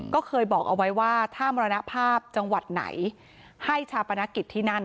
ก็เคยบอกเอาไว้ว่าถ้ามรณภาพจังหวัดไหนให้ชาปนกิจที่นั่น